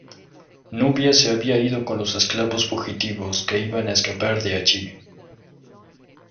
Nubia se había ido con los esclavos fugitivos que iban a escapar de allí.